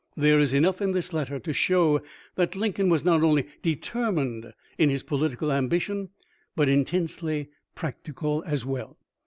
There is enough in this letter to show that Lincoln was not only determined in his political ambition, but intensely practical as well.